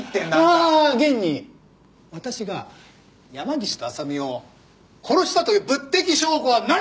ああ現に私が山岸と浅見を殺したという物的証拠は何もない！